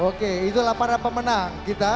oke itulah para pemenang kita